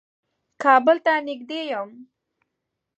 کابل ته نېږدې يم.